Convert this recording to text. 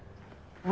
うん。